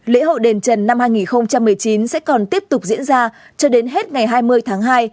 lễ hội đền trần năm hai nghìn một mươi chín sẽ còn tiếp tục diễn ra cho đến hết ngày hai mươi tháng hai